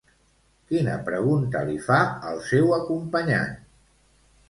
Quina pregunta li fa al seu acompanyant?